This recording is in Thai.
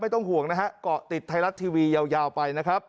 ต้องห่วงนะฮะเกาะติดไทยรัฐทีวียาวไปนะครับ